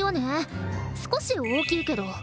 少し大きいけど。